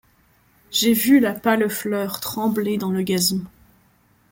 J'ai vu la pâle fleur trembler dans le gazon